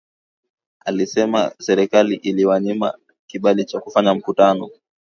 Alisema serikali iliwanyima kibali cha kufanya mkutano